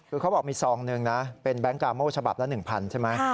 คือเขาบอกมีซองหนึ่งนะเป็นแก๊งกาโม่ฉบับละ๑๐๐ใช่ไหม